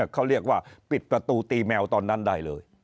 เขาเรียกว่าปิดประตูตีแมวตอนนั้นได้เลย